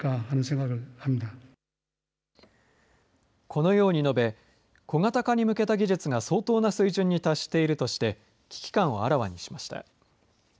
このように述べ小型化に向けた技術が相当な水準に達しているとして危機感をあらわにしました。